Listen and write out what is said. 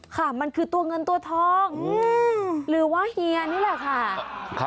ค่ะมันคือตัวเงินตัวทองหรือว่าเฮียนี่แหละค่ะ